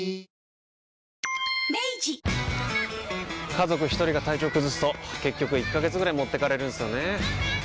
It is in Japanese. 家族一人が体調崩すと結局１ヶ月ぐらい持ってかれるんすよねー。